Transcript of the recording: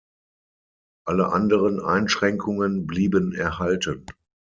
Alle anderen Einschränkungen blieben erhalten.